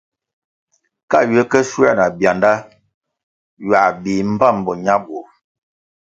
Ka ywe ke shuoē na byanda, ywā bih mbpám bo ñabur.